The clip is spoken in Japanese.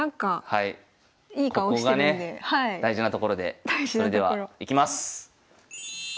はいここがね大事なところでそれではいきます。